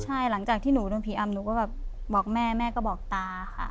ใช่หลังจากที่หนูโดนผีอำหนูก็แบบบอกแม่แม่ก็บอกตาค่ะ